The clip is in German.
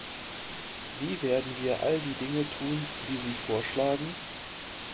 Wie werden wir all die Dinge tun, die Sie vorschlagen?